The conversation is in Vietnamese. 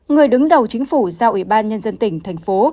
người đứng đầu chính phủ giao ủy ban nhân dân tỉnh thành phố